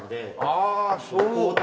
ああそうか。